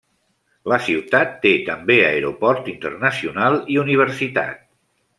La ciutat té també aeroport internacional i universitat.